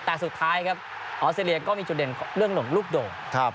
แต่สุดท้ายครับออสเตรเลียก็มีจุดเด่นเรื่องหลงลูกโด่ง